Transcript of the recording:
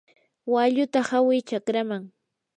walluta hawi chakraman.